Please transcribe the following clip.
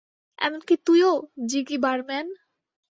এমনকি তুইও, জিগি বারম্যান!